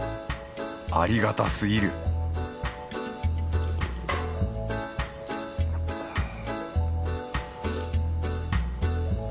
ありがたすぎるはぁ。